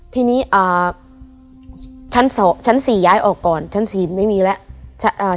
ทีนี้อ่าชั้นสองชั้นสี่ย้ายออกก่อนชั้นสี่ไม่มีแล้วอ่า